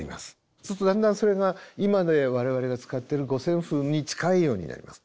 そうするとだんだんそれが今で我々が使ってる五線譜に近いようになります。